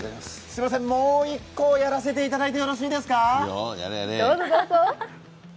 もう一個やらせていただいてよろしいですか？